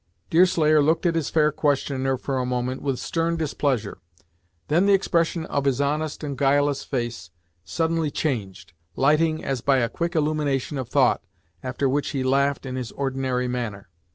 Deerslayer looked at his fair questioner for a moment with stern displeasure. Then the expression of his honest and guileless face suddenly changed, lighting as by a quick illumination of thought, after which he laughed in his ordinary manner.